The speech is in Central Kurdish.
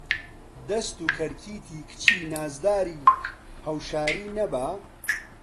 دەست و کەرکیتی کچی نازداری هەوشاری نەبا